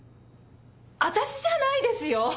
私じゃないですよ